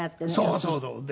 そうそうそう。